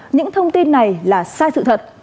những thông tin này là sai sự thật